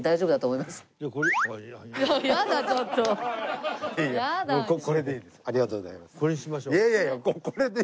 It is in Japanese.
いやいやこれでいいです。